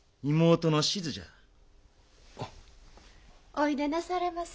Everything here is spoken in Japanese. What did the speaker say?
おいでなされませ。